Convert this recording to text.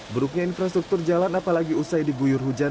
buruknya infrastruktur jalan apalagi usai diguyur hujan